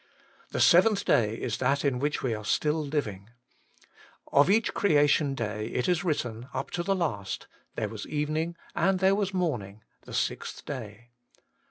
The seventh day is that in which we are still living. HOLINESS AND CKEATION. 33 Of each of the creation days it is written, up to the last, 'There was evening, and there was morning, the sixth day.'